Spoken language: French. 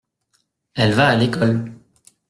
Elle va à l’école.